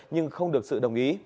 nhưng không được sự đồng ý